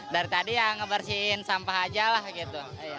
dari tadi ya ngebersihin sampah aja lah gitu